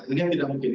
ini yang tidak mungkin